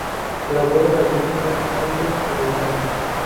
Labora en la Clínica Anglo Americana.